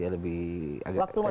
lebih agak kencang